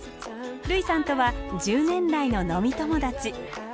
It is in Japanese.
類さんとは１０年来の飲み友達。